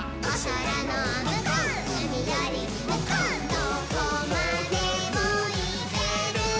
「どこまでもいけるぞ！」